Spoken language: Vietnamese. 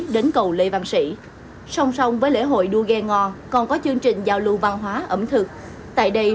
đến cầu lê văn sĩ song song với lễ hội đua ghe ngò còn có chương trình giao lưu văn hóa ẩm thực tại đây